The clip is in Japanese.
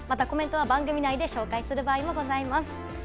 コメントを番組で紹介する場合もございます。